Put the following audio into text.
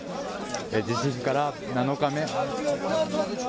地震から７日目。